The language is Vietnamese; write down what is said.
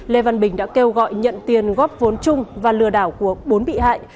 lê văn bình đã kêu gọi nhận tiền góp vốn chung và lừa đảo của bốn bị hại